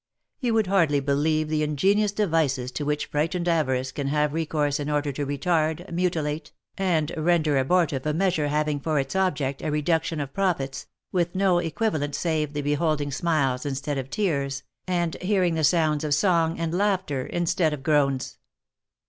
You would hardly believe the ingenious devices to which frightened avarice can have recourse in order to retard, mutilate, and render abortive a measure having for its object a reduction of profits, with no equivalent save the beholding smiles instead of tears, and hearing the sounds of song and laughter instead of groans